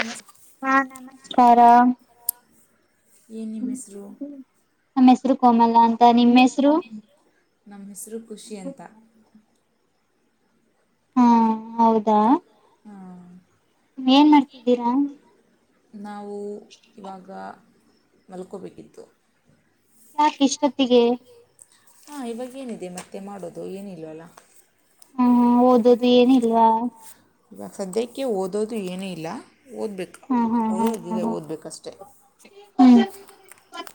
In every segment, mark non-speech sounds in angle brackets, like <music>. ನಮಸ್ಕಾರ ಹಾ ನಮಸ್ಕಾರಕಾರ ಏನ್ ನಿಮ್ಮ ಹೆಸರು. ನಮ್ ಹೆಸರು ಕೋಮಲ ಅಂತ. <inaudible> ನಿಮ್ಮ್ ನಿಮ್ಮ ಹೆಸರು ಹೆಸರು ನನ್ ಹೆಸರು ಖುಷಿ ಅಂತ. ಹಾ ಹೌದಾ ಏನ್ ಮಾಡ್ತಿದ್ದೀರಾ. ನಾವು ಇವಾಗ ಮಲ್ಕೋಬೇಕಿತ್ತು. ಯಾಕ ಇಷ್ಟೊತ್ತಿಗೆ. ಹಾಂ ಇವಾಗ ಏನಿದೆ ಮತ್ತೆ ಮಾಡೋದು ಏನ್ ಇಲ್ ಅಲ್ವ. ಹ್ಮ್ ಓದದು ಏನಿಲ್ವಾ ಇವಾಗ ಸದ್ಯಕ್ಕೆ ಓದೋದು ಏನೂ ಇಲ್ಲ ಓದ್ಬೇಕ ಹ್ಮ್ ಹ್ಮ್ ಓದದ ಹ್ಮ್ ಇದೆ ಹ್ಮ್ ಓದಬೇಕಷ್ಟೆ. <inaudible>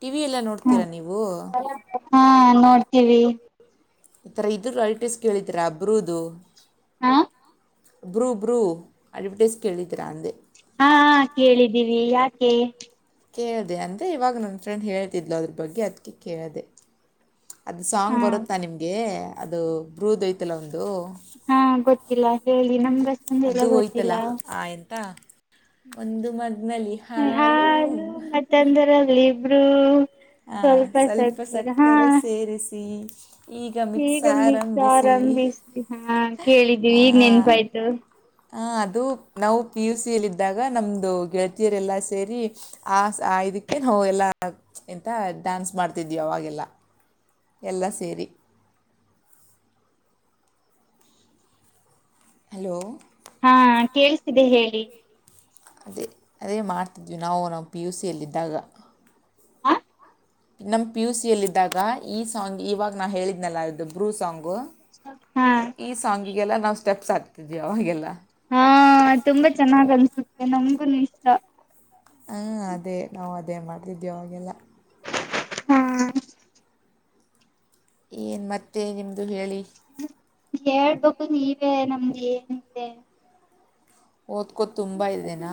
ಟಿವಿ ಎಲ್ಲ ಹ್ಮ್ ನೋಡ್ತೀರಾ ನೀವು. ಹ್ಮ್ ಹಾ ನೋಡ್ತೀವಿ ಈಥರ ಇದು ಲೈಟೇಸ್ ಕೇಳಿದರಾ ಬ್ರೋದು. ಹಾ. ಬ್ರೂ ಬ್ರೂ ಅಡ್ವಟೈಸ್ ಕೇಳಿದಿ್ರಾ ಅಂದೆ. ಹಾಹಾ ಕೇಳಿದ್ದೀವಿ ಯಾಕೆ. ಕೇಳಿದೆ ಅಂದರೆ ಇವಾಗ ನನ್ನ ಫ್ರೆಂಡ್ ಹೇಳ್ತಿದ್ಲುೋ ಅದ್ರ ಬಗ್ಗೆ ಅದಕ್ಕೆ ಕೇಳಿದೆ. ಅದು ಸಾಂಗ್ ಹಾ ಬರುತ್ತಾ ನಿಮ್ಗೆ. ಅದು ಬ್ರುದ ಆಯಿತಿ ಅಲಾ ಒಂದು. ಹಾ ಗೊತ್ತಿಲ್ಲ ಹೇಳಿ ನಮದ. ಅದು ಹೋಯ್ತಲ್ಲ ಆ ಎಂತ ಒಂದು ಮುಗ್ನಲಿ ಹಾಲುೂ ಬ್ರ್ಯೂ ಹಾ ಸ್ವಲ್ಪ ಸಕ್ಕರೆ ಸೇರಿಸಿ ಈಗ ಮಿಕ್ಸ್ ಹೀಗ ಮಿಕ್ಸ್ ಆರಂಭಿಸಿ ಆರಂಬಿಸಿ ಹಾ ಕೇಳಿದೀವಿ ಈಗ್ ನೆನ್ಪ ಆಾಯ್ತು. ಹ ಅದು ನಾವು ಪಿ ಯು ಸಿ ಯಲ್ಲಿದ್ದಾಗ ನಮ್ದು ಗೆಳತಿಯರೆಲ್ಲ ಸೇರಿ ಆ ಆ ಇದಕ್ಕೆ ನಾವು ಎಲ್ಲ ಎಂತ ಡ್ಯಾನ್ಸ್ ಮಾಡ್ತಿದ್ವಿ ಅವಾಗೆಲ್ಲ. ಎಲ್ಲ ಸೇರಿ. ಹಲೋ ಹಾ ಕೇಳಿಸ್ತಿದೆ ಹೇಳಿ. ಅದೇ ಅದೇ ಮಾಡ್ತಿದ್ವಿ ನಾವು ನಾವು ಪಿ ಯು ಸಿ ಯಲ್ಲಿದ್ದಾಗ. ಹ ನಮ್ ಪಿ ಯು ಸಿಿಯಲ್ಲಿ ಇದ್ದಾಗ ಈ ಸಾಂಗ್ ಇವಾಗ ನಾ ಹೇಳಿದ್ನಲ್ಲ ಇದು ಬ್ರೂ ಸಾಂಗ್ ಹಾ ಈ ಸಾಂಗಿಗೆಲ್ಲ ನಾವು ಸ್ಟೆಪ್ಸ್ ಹಾಕತಿದವಿ ಅವಾಗೆಲ್ಲ. ಹಾ ತುಂಬಾ ಚೆನ್ನಾಗ್ ಅನ್ಸುತ್ತೆ ನಮಗುನು ಇಷ್ಟ. ಹ್ಮ ಅದೇ ನಾವು ಅದೇ ಅದೇ ಮಾಡ್ತಿದ್ದೆ ಅವಾಗ ಎಲ್ಲಾ. ಹಾ ಏನು ಮತ್ತೆ ನಿಮ್ಮದು ಹೇಳಿ. ಹೇಳ್ಬೇಕು ನೀವೇ ನಮ್ದ ಏನ ಇದೆ. ಓದ್ಕೋತ ತುಂಬ ಇದೆನಾ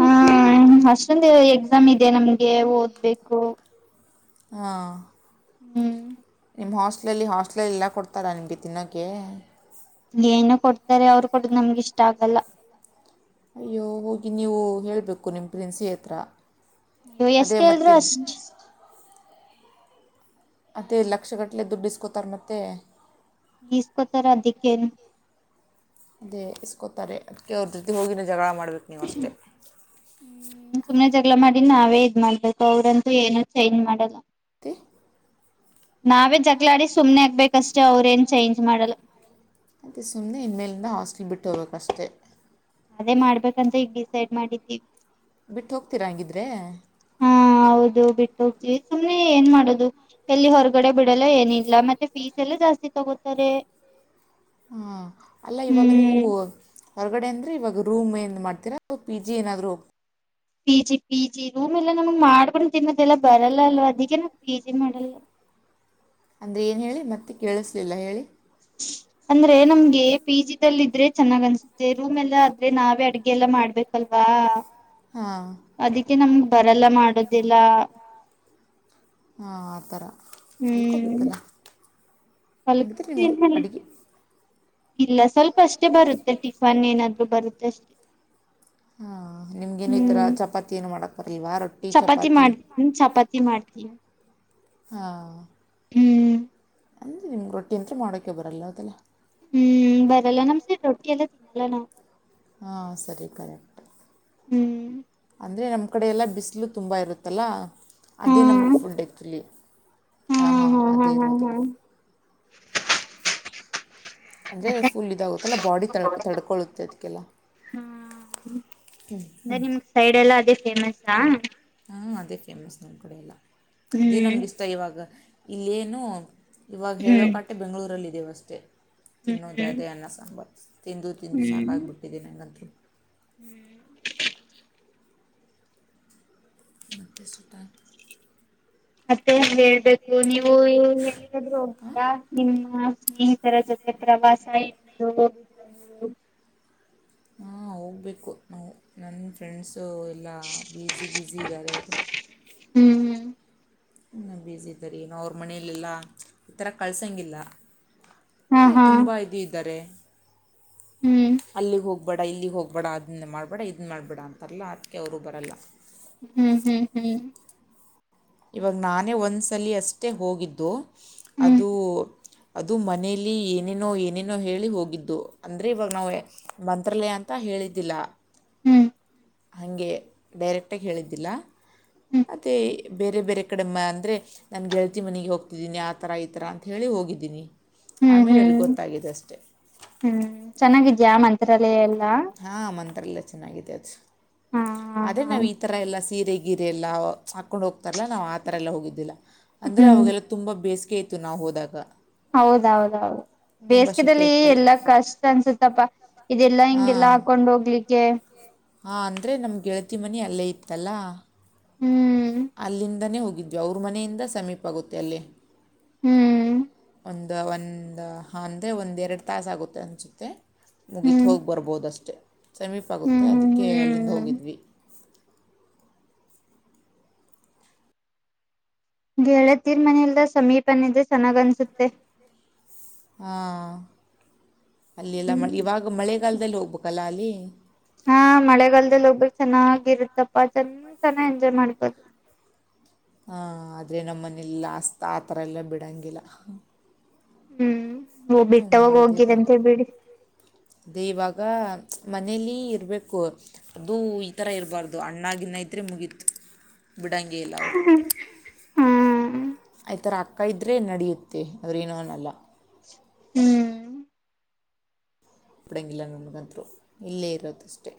ಹಾ ಅಷ್ಟೊಂದು ಎಕ್ಸಾಮ್ ಇದೆ ನಮ್ಗೆ ಓದ್ಬೇಕು ಹಾ ಹ್ಮ್ ನಿಮ್ಮ ಹಾಸ್ಟಲ್ಲಿ ಹಾಸ್ಟೆಲ್ ಎಲ್ಲ ಕೊಡ್ತಾರಾ ನಿಮಗೆ ತಿನ್ನೋಕೇ ಇಲ್ಲಿ ಏನು ಕೊಡ್ತಾರೆ ಅವರು ಕೊಡ ನಮ್ಗೆ ಇಷ್ಟ ಆಗಲ್ಲ ಅಯ್ಯೋ ಹೋಗಿ ನೀವು ಹೇಳೇಳ್ಬೇಕು ನಿಮ್ಮ ಪ್ಸಿನ್ಸಿ ಹತ್ರ ನೀವು ಎಷ್ಟ ಅದೇ ಎಳದ್ರು ಮತ್ತೆ ಅಷ್ಟ ಮತ್ತೇ ಲಕ್ಷ ಗಟ್ಟಲೆ ದುಡ್ಡುಸ್ಕೋತಾರೆ ಮತ್ತೆ ಇಸ್ಕೊತರ ದಕ್ಕೇನು ಅದೇ ಇಸ್ಕೊತಾರೆ ಅದಕ್ಕೆ ಅವ್ರ ಜೊತೆ ಹೋಗಿಿನ ಜಗಳ ಮಾಡ ನೀವು ಅಷ್ಟೇ ಹ್ಮ್ ಸುಮ್ನೆ ಮಾಡಿ ನಾವೇ ಇದ್ ಮಾಡ್ಬೇಕು ಅವ್ರಂತೂ ಏನು ಚೇಂಜ್ ಮಾಡಲ್ಲ ತ್ತೆ ನಾವೇ ಜ ಮಾಡಲ್ಲ ಅದೆ ಸುಮ್ನೆ ಇನ್ನೇಲ್ಂದ ಹಾಸ್ಟಲ್ ಬಿಟ್ಟ ಬಿಟ್ಟೋಗಬೇಕಷ್ಟೆ ಅದೇ ಮಾಡ್ಬೇಕಂತ ಈಗ ಡಿಸೈಡ್ ಮಾಡಿದ್ದೀವಿ ಬಿಟ್ಟು ಹೋಗ್ತೀರಾ ಹಂಗಿದ್ರೆ ಹೋಗತೀವಿ ಸುಮ್ನೆ ಏನ್ ಮಾಡೋದು ಎಲ್ಲಿ ಹೊರಗಡೆ ಬಿಡಲ್ಲ ಏನಿಲ್ಲ ಮತ್ತೆ ಫೀಸ್ ಎಲ್ಲಾ ಜಾಸ್ತಿ ತಗೋತಾರೆ ಹ್ಮ್ ಅಲ್ಲ ಇವಾಗ ನೀವು ಹ್ಮ್ ಹೊರಗಡೆ ಅಂದ್ರೆ ಇವಾಗ ರೂಮ್ ಏನ್್ ಮಾಡ್ತೀರಾ ಪಿ ಜಿ ಏನಾದ್ರು P G P G room ಎಲ್ಲ ನಮಗೆ ಮಾಡ್ಕೊಂಡು ತಿನ್ನೋದೆಲ್ಲ ಬರಲ್ಲ ಅಲ್ವ ಅದಕ್ಕೆ ನ ಪಿ ಜಿ ಮಾಡಲ್ಲ ಅಂದ್ರೆ ಏನು ಹೇಳಿ ಮತ್ತೆ ಕೇಳಿಸ್ಲಿಲ್ಲ ಹೇಳಿ ಅಂದ್ರೆ ನಮ್ಗೆ ಪಿ ಜಿದಲ್ಲ ಇದ್ರೆ ಚೆನ್ನಾಗ್ ಅನ್ಸುತ್ತೆ ರೂಮ್ ಎಲ್ಲ ಆದ್ರೆ ನಾವೇ ಅಡ್ಗೆ ಎಲ್ಲಾ ಮಾಡ್ಬೇಕಲ್ವಾ ಹಾ ಅಡುಗೆ ನಮ್ ಬರಲ್ಲ ಮಾಡುದಿಲ್ಲ ಹಾ ಆತರ ಕಲ್ತಿಕೊ ಹ್ಮ್ ಬೇಕಲ್ಲ ನಿ ಗ್ರ ಕಲ್ಕತಿವಿ ಅಡಗೆ ಇಲ್ಲ ಸ್ವಲ್ಪ ಅಷ್ಟೇ ಬರುತ್ತೆ ಟಿಫಾನ್ ಏನಾದ್ರು ಬರುತ್ತೆ ಅಷ್ಟೇ ಹಾಂ ನಿಮಗೇನು ಈ ಥರ ಹ್ಮ್ ಚಪಾತಿ ಏನು ಮಾಡೋಕ್ಕೆ ಬರಲ್ವಾ ರೊಟ್ಟಿ ಚಪಾತಿ ಮಾಡ್ತೀ ಚಪಾತಿ ಮಾಡ್ತೀನಿ ಹಾ ಹ್ಮ್ ಅಂದರೆ ನಿಮ್ಗೆ ರೊಟ್ಟಿ ಅಂತತ್ರ ಮಾಡೋಕ್ಕೆ ಬರಲ್ಲ ಅದದೆಲ್ಲ ಹ್ಮ್ ಬರಲ್ಲ ನಮ್ ಸ ರೊಟ್ಟಿ ಎಲ್ಲ ತಿ ನಲಣ <unintelligible> ಹಾಂ ಸರಿ ಕರೆಕ್ಟ್ ಹ್ಮ್ ಅಂದ್ರೆ ನಮ್ಮ್ ಕಡೆ ಎಲ್ಲ ಬಿಸಿಲು ತುಂಬಾ ಇರುತ್ತಲ್ಲ ಹಾ ಅದೇ ನಮ್ಗೆ ಫುಡ್ ಆ್ಯಕ್ಚುಲಿ ಹಾ ಹಾಂ ಹಾ ಹಾ ಅದೇ ಹಾ ಇರೋದು ಹಾ ಅಂದರೆ ಫುಲ್ ಇದಾಗುತ್ತಲ್ಲ ಬಾಡಿ ತಳ್ಕ ತಡ್ಕೊಳ್ಳುತ್ತೆ ಅದಕ್ಕೆಲ್ಲ ಹಾ ಹ್ಞ ಅದೇ ನಿಮ್ ಸೈಡ್ ಎಲ್ಲಾ ಅದೇ ಫೇಮಸ್ಾ ಹಂ ಅದೇ ಫೇಮಸ್ ನ ಕೂಡೆಯಲ್ಲ ಇದೇ ಹ್ಮ್ ನಮಗಿಸ್ತ ಇವಾಗ ಇಲ್ಲೇನು ಇವಾಗ ಹ್ಮ್ ಹೇಳೋಕಾಟೆ ಬೆಂ್ಗಳೂರಲ್ಲ ಇಿದೆವಸ್ ಮೆ ಹ್ಮ್ ತಿನ್ನೂ ಹ್ಮ್ ದದನ್ನ ಸಂಂಬರ್ ತಿಂದು ತಿಂದು ಹ್ಮ್ ಸಾಕಾಗಿಬಟ್ಟಿದ್ದೀ ನನಗೆಂತಿ ಹ್ಮ್ ಮತ್ತ ಸಟಾ ಮತ್ತೆ ಹೇಳ್ಬೇಕು ನೀವು ಎಗಾದ್ೂ ಹೋಗಿಲ್ಲಾ ನಿಮ್ಮ ಸ್ನೇಹಿತರ ಜೊತೆ ಪ್ರವಾಸ ಇದು ಹೋಗ ಹಾ ಹೋಗ್ಬೇಕು ನಾವು ನನ್ನ ಫ್ರೆಂಡ್ಸ್ ಸೊ ಎಲ್ಲ ಬೀಸಿ ಬಝಿ ಇದ್ದಾರೆ ಅವರು ಹ್ಮ್ ಬಸಿ ಇದ್ದರಿೀ ಅವ್ರ ಮನಲಿಲ್ಲ ಈಥರ ಕಳ್ಸಂಗಿಲ್ಲ ಹಾ ಅದೇ ಹಾ ತುಂಬ ಇದು ಇದ್ದಾರೆ ಹ್ಮ್ ಅಲ್ಲಿ ಹೋಗ ಹೋಗ್ಬೇಡ ಇಲ್ಲಿಗೆ ಹೋಗ್ಬೇಡ ಅದನ್ನ ಮಾಡಬೇಡ ಇದನ್ನ ಮಾಡಬೇಡ ಅಂತಲ್ಲ ಅದಕ್ಕೆ ಅವರು ಬರಲ್ಲ ಹ್ಮ್ ಹ್ಮ್ ಹ್ಮ್ ಇವಾಗ ನಾನೇ ಒಂದ್ಸಲ ಅಷ್ಟೇ ಹೋಗಿದ್ದು ಅ ಹ್ಮ್ ಅದು ಮನೇಲಿ ಏನೇನೋ ಏನೇನೋ ಹೇಳಿ ಹೋಗಿದ್ದು ಅಂದರೆ ಇವಾಗ ನಾವು ಮಂತ್ರಾಲಯ ಅಂತ ಹೇಳಿದ್ದಿಲ್ಲ ಹ್ಮ್ ಹಾಗೆ ಡೈರೆಕ್ಟಾಗಿ ಹೇಳಿದ್ದಿಲ್ಲ ಹ್ಮ್ ಅ ಬೇರೆ ಬೇರೆ ಕಡೆ ಅಂದರೆ ನಾನು ಗೆಳತಿ ಮನೆಗೆ ಹೋಗ್ತಿದ್ದೀನಿ ಆ ಥರ ಈ ಥರ ಅಂತ ಹೇಳಿ ಹೋಗಿದ್ದೀನಿ ಹ್ಮ್ ಆಮೇಲೆ ಅವ್ರಿಗೆ ಹ್ಮ್ ಗೊತ್ತಾಗಿದೆ ಅಷ್ಟೆ ಹ್ಮ್ ಚೆನ್ನಾಗಿದ್ದ ಯ ಮಂತ್ರಾಲಯಲ್ಲ ಹಾ ಮಂತ್ರಾಲಯ ನ್ನತೆ ಹ ಅದೇ ನಾವ್ ಈ ತರ ಎಲ್ಲಾ ಸೀರೆಗೆ ಗಿರೆ ಎಲ್ಲ ಹಾಕೊಂಡ್ ಹೋಗ್ತಾರಲ್ಲಾ ನಾವ್ ಆತರ ಎಲ್ಲ ಹೋಗಿದ್ದಿಲ್ಲ ಅಂದ್ರೆ ಹ್ಮ್ ಅವೆಲ್ಲ ತುಂಬ ಬೇಸ ಕೇತು ನಾವು ಹೋದಾಗ ಹೌದ-ಹೌದ-ಹೌದು ತುಂಬ ಸೆಕೆ ಬೇಸಿಗೆದಲ್ಲಿ ಇತ್ತಲ್ಲ ಎಲ್ಲ ಕಷ್ಟ ಅನಸುತ್ತಪ್ಪಾ ಇದು ಎಲ್ಲಾ ಹಿಂಗ ಎಲ್ಲಾ ಹಾಕೊಂಡ್ ಹೋಗಲಿಕ್ಕೆ ಹಾ ಅಂದ್ರೆ ನಮ್ದ್ ಗೆಳತಿ ಮನೆ ಅಲ್ಲೇ ಇತ್ತಲ್ಲಾ ಹ್ಮ್ ಅಲ್ಲಿಂದನೇ ಹೋಗ ಇದ್ವಿ ಅವರ ಮನೆಯಿಂದ ಸಮೀಪ ಆಗುತ್ತೆ ಅಲ್ಲಿ ಹ್ಮ್ ಒಂದು ಒಂದ ಅಂದ್ರೆ ಒಂದ್ ಎರಡು ತಾಸ ಆಗುತ್ತೆ ಅನ್ಸುತ್ತೆ ಮುಗೀತು ಹ್ಮ್ ಹೋಗಿ ಬರ್ಬೋದಷ್ಟೇ ಸಮೀಪ ಹ್ಮ್ ಆಗುತ್ತೆ ಹ್ಮ್ ಅದಕ್ಕೆ ಅಲ್ಲಿಂದ ಹ್ಮ್ ಹೋಗಿದ್ವಿ ಗೆಳೆತಿ ಮನೆಯಲ್ಲೆ ಸಮೀಪ ಇದೆ ಸಮಾಧನಿಸುತ್ತೆ ಹಾ ಅಲ್ಲಿ ಎಲ್ಲಾ ಹ್ಮ್ ಮಳಿ ಇವಾಗ ಮಳೆ <unintelligible> ಹಾ ಮಳೆಗಾಲದಲ್ಲಿ ಹೋಗ್ಬೇಕ ಚೆನ್ನಾಗಿದೆ ಎಪ್ಪಾ ಚಂತಾನ ಎಂಜಾಯ್ ಮಾಡ್ಕೋತ ಹಾ ಆದರೆ ನಮ್ಮ ಮನೆಯಲ್ಲಿ <unintelligible> ಆ ತರ ಎಲ್ಲಾ ಬಿಡಂಗಿಲ್ಲ ಹ್ಮ್ ತುಂಬಾ ಬಿಟ್ಟವಾಗ ಇದೀವಿ ಹೋಗಿರಂತೆ ಬಿಡಿ ದಿ ಇವಾಗ ಮನೇಲಿ ಇರಬೇಕು ಅದು ಈ ತರ ಇರಬಾರ್ದು ಅಣ್ಣಾಗಿನ್ನ ಇದ್ರೆ ಮುಗೀತು ಬಿಡಂಗೇ ಇಲ್ಲ ಅವರು ಹ್ಮ್ ಈ ತರ ಅಕ್ಕ ಇದ್ರೆ ನಡಿಯುತ್ತೆ ಆದರೆ ಏನು ಅನಲ್ಲ ಹ್ಮ್ ಕೊಡಂಗಿಲ್ಲ ನನ್ನಗಂತ್ರು ಇಲ್ಲೇ ಇರೋದಷ್ಟೇ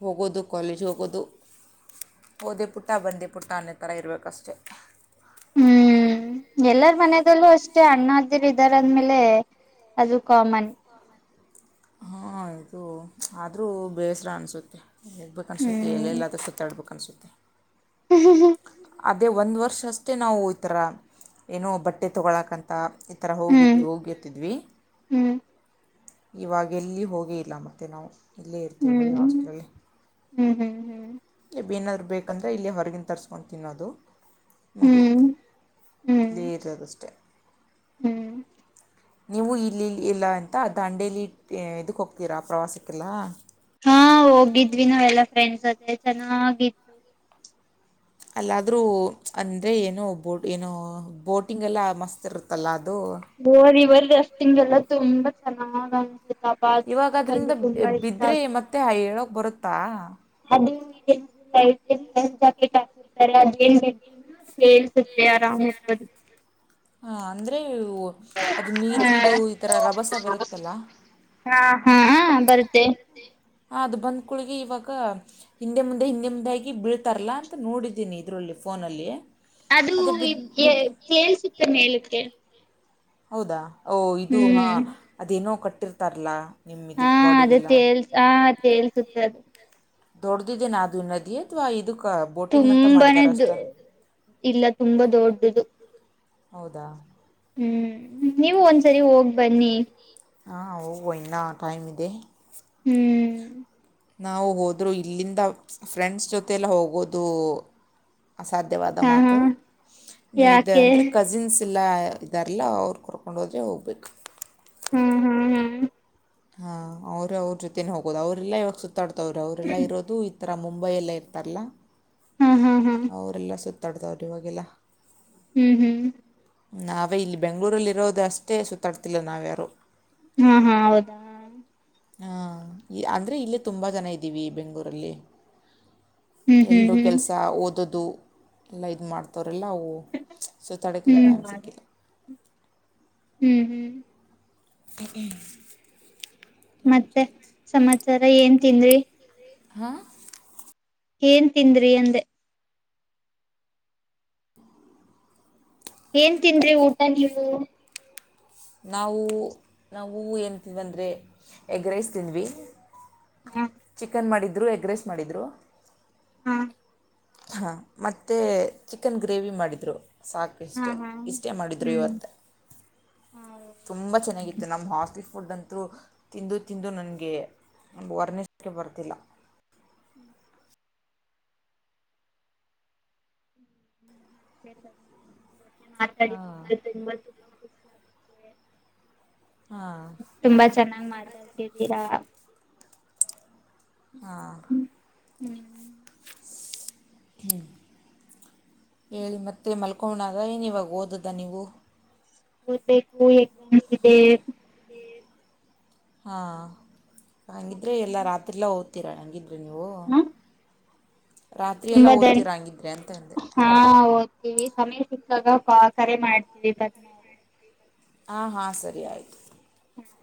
ಹೋಗೋದು ಕಾಲೇಜ್ ಹೋಗೋದು ಹೋದೆ ಪುಟ್ಟ ಬಂದೇ ಪುಟ್ಟ ಅನ್ನೋ ತರ ಇರಬೇಕು ಅಷ್ಟೇ ಎಲ್ಲಾರ ಮನೆದಲ್ಲೂ ಅಷ್ಟೇ ಅಣ್ಣಾದಿರು ಇದಾರೆ ಅಂದ ಮೇಲೆ ಅದು ಕಾಮನ್ ಹಾಂ ಇದು ಆದರೂ ಬೇಸರ ಅನಿಸುತ್ತೆ ಹೇಳಬೇಕು ಅನ್ಸುತ್ತೆ ಹ್ಮ್ ಎಲ್ಲೆಲಾದರೂ ಸುತ್ತಾಡಬೇಕು ಆಸ್ಪತ್ರೆ ಹೂ-ಹೂ-ಹೂ ಅದೇ ಒಂದು ವರ್ಷ ಅಷ್ಟೇ ನಾವು ಈ ಥರ ಏನೋ ಬಟ್ಟೆ ತೋಗೋಳಕ ಅಂತ ಈ ಥರ ಹ್ಮ್ ಹೋಗಿದ್ವಿ ಹೋಗಿದ್ವಿದಿ ಹ್ಮ್ ಇವಾಗ ಎಲ್ಲಿ ಹೋಗೆ ಇಲ್ಲ ಮತ್ತೆ ನಾವು ಇಲ್ಲೇ ಇರತಿವಿ <unintelligible> ಹ್ಮ ಹ್ಮ್ ಏನಾದ್ರು ಬೇಕಂದ್ರೆ ಇಲ್ಲೇ ಹೊರಗಿಂದು ತರಸ್ಕೊಂದು ತಿನ್ನೋದು ಹ್ಮ್ ಮುಗಿತು ಹ್ಮ್ ಹ್ಮ್ <unintelligible> ಹ್ಮ್ ನೀವು ಇಲ್ಲಿ ಇಲ್ಲ ಅಂತ ದಾಂಡೇಲಿ <unintelligible> ಇದಕ್ಕೆ ಹೋಗ್ತೀರಾ ಪ್ರವಾಸಕ್ಕೆಲ್ಲಾ ಹಾ ಹೋಗಿದ್ವಿ ನಾವ ಎಲ್ಲಾ ಫ್ರೆಂಡ್ಸ್ ಜೊತೆ ಚೆನ್ನಾಗಿ ಅಲ್ಲಾದ್ರೂ ಅಂದ್ರೆ ಏನೋ ಬೋಟ್ ಏನೋ ಬೋಟಿಂಗ ಎಲ್ಲಾ ಮಸ್ತ್ ಇರುತ್ತಲ್ಲ ಅದು <unintelligible> ಆಗಸ್ಟ್ ತಿಂಗಳಲ್ಲ ತುಂಬಾ ಚೆನ್ನಾಗಾಯಿತು ಇವಾಗ ಅದ್ರಿಂದ ಬಿದ್ರೆ ಆಗುತ್ತೆ ಮತ್ತೆ ಹೇಳಕ್ ಬರುತ್ತೆ ತ್ತಾ <unintelligible> ಕೆಲ್ಸುತ್ತೆ <inaudible> ಹ ಅಂದ್ರೆ ಅದು ನೀರಿಂದು ಈ ತರ ರಭಸ ಬರುತ್ತಲ್ಲ ಹ ಬರುತ್ತೆ ಹ ಅದು ಬಂದ್ ಕುಳ್ಗೆ ಇವಾಗ ಹಿಂದೆ ಮುಂದೆ ಹಿಂದೆ ಮುಂದೆ ಆಗಿ ಬೀಳ್ತಾರಲ್ಲ ಅಂತ ನೋಡಿದ್ದೀನಿ ಇದರಲ್ಲಿ ಫೋನಲ್ಲಿ ಅದು ಎ ಕೇಳ್ಸುತ್ತೆ ಮೇಲುಕ್ಕೆ ಹೌದಾ ಓಹ ಇದು ಹಾ ಹ್ಮ್ ಅದೇನೋ ಕಟ್ಟ ಇಟ್ಟಿರ್ತಾರ್ಲ ಹಾ ಅದು ತೇಳ್ಸ್ ಹ ತೇಳ್ಸುತ್ತೆ ಅದು ದೊಡ್ದಿದೆನಾ ಅದು ನದಿ ಅತ್ವ ಇದುಕ್ ತುಂಬಾನೇ ದ್, ಇಲ್ಲ ತುಂಬಾ ದೊಡ್ಡುದು ಹೌದಾ ಹ್ಮ್ ನೀವು ಒಂದ್ಸರಿ ಹೋಗ್ ಬನ್ನಿ ಆ ಹೌ ಇನ್ನ ಟೈಮ್ ಇದೆ ಹ್ಮ್ ನಾವು ಹೋದ್ರೂ ಇಲ್ಲಿಂದ ಫ್ರೆಂಡ್ಸ್ ಜೊತೆೆಲ್ ಹೋಗೋದು ಅಸಾಧ್ಯವಾದ ಹಾ ಹಾ ಮಾತು ಇದ್ ಯಾಕೆ ಅಂದ್ರೆ ಕಝಿನ್ಸ್ ಇಲ್ಲ ಇದಾರಲ್ಲ ಅವ್ರು ಕರ್ಕೊಂಡು ಹೋದ್ರೆ ಹೋಗ್ಬೇಕು ಹ್ಮ್ ಹ್ಮ್ ಹ್ಮ್ ಹಾ ಅವರು ಅವ್ರ ಜೊತೆನೆ ಹೋಗೋದು ಅವ್ರಲ್ಲಾ ಇವಾಗ ಸುತ್ತ ಮಾತಾಡ್ತವ್ರರು ಅವ್ರ್ರೆಲ್ಲ ಇರೊದು ಆ ಥರ ಮುಂಬೈಯಲ್ಲೇ ಇರ್ತಾರಲ್ಲ ಹಾ ಹಾ ಹಾ ಅವ್ರೆಲ್ಲ ಸುತ್ತ <unintelligible> ಇವಾಗಿಲ್ಲ ಹ್ಮ್ ಹ್ಮ್ ನಾವೇ ಇಲ್ಲಿ ಬೆಂಗ್ಳೂರಲ್ಲಿರೋದಷ್ಟೇ ಸುತ್ತಾಡ್ತಿಲ್ಲ ನಾವ್ಯಾರು ಹಾ ಹಾ ಹೌದಾ ಹಾಂ ಅಂದ್ರೆ ಇಲ್ಲೇ ತುಂಬ ಜನ ಇದ್ದೀವಿ ಬೆಂಗ್ಳೂರಲ್ಲಿ ಹ್ಮ್ ಹ್ಮ್ ಎಲ್ರು ಹ್ಮ್ ಕೆಲ್ಸ ಓದ್ ಅದು ಎಲ್ಲ ಇದ್ ಮಾಡ್ತವ್ರ ಅವ್ರೆಲ್ಲ ಓ ಸೊ ತಡೆಕ್ಲ್ ಹ್ಮ್ ಟೈಮ್ ಸಿಕ್ಕಿಲ್ಲ ಹ್ಮ್ ಹ್ಮ್ <unintelligible> ಮತ್ತೆ ಸಮಾಚ್ ತರ ಏನ್ ತಿಂದ್ರಿ. ಹಾ ಏನ್ ತಿಂದ್ರಿ ಅಂದೆ. ಏನ್ ತಿಂದ್ರಿ ಊಟ ನೀವು ನಾವು ನಾವು ಏಂತೀವಿಂದರೆ ಎಗ್ ರೈಸ್ ತಿಂದ್ವಿ. ಹಾ ಚಿಕನ್ ಮಾಡಿ. ರು ಎಗ್ರೆಸ್ ಮಾಡಿದ್ರು. ಹಾ ಹಾಂ ಮತ್ತೆ ಚಿಕನ್ ಗ್ರೇವಿ ಮಾಡಿದ್ರು. ಹಾ ಸಾಕಷ್ಟೇ ಹಾ ಇಷ್ಟೇ ಮಾಡಿದರು ಹ್ಮ್ ಇವತ್ತ ತುಂಬ ಚೆನ್ನಾಗಿತ್ತು ನಮ್ಮ ಹಾಸ್ಟ್ಲ್ ಫುಡ್ ಅಂತೂ ತಿಂದು ತಿಂದು ನನಗೆ ವರ್ಣಿಸಕ್ಕೆ ಬರ್ತಿಲ್ಲ. <inaudible> ಹ್ಮ್ ಹ್ಮ ಸ ಮಾತಾಡಿದ ತುಂಬಾ ತುಂಬ ಮತ್ತೆ ಹಾಂ ತುಂಬಾ ಚೆನ್ನಾಗ್ ಮಾತಾಡ್ತಿದ್ದೀರಾ. ಹ ಹ್ಮ್ ಹ್ಮ್ ಹೇಳಿ ಮತ್ತೆ ಮಲ್ಕೋಣ ಅದ ಏನ್ ಇವಾಗ ಓದದ ನೀವು ಓದಬೇಕು ಎಕ್ನ್ಸ್ ಇದೆ. ಹಾ ಹಂಗಿದ್ರೆ ಎಲ್ಲ ರಾತ್ರಿಲ್ಲಾ ಓ ತಿರಳಂಗಿದ್ದ ಬ ನೀಓ ತುಂಬ ದ್ನ ಅಂದೆ ಹದು ಸಮಯ ಸಿಕ್ಕಾಗ ಬಾ ಕರೆ ಮಾಡ್ತೀವಿ ಬ ಹಾಂ ಹಾಂ ಸರಿ ಆಯಿತು. ಹ್ಮ್.